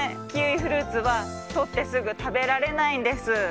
キウイフルーツはとってすぐたべられないんです。